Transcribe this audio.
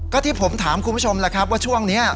ก็ที่ผมถามคุณผู้ชมแหละครับว่าช่วงนี้